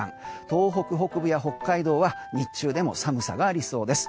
東北北部や北海道は日中でも寒さがありそうです。